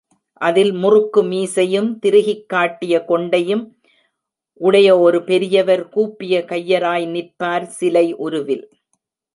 அதில் முறுக்கு மீசையும் திருகிக் காட்டிய கொண்டையும் உடைய ஒரு பெரியவர் கூப்பிய கையராய் நிற்பார் சிலை உருவில்.